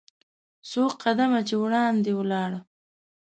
څو قدمه چې وړاندې ولاړ .